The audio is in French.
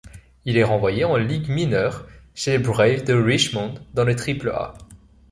Il est renvoyé en ligues mineures, chez les Braves de Richmond dans le Triple-A.